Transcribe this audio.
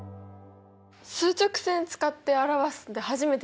数直線使って表すって初めてだしさ。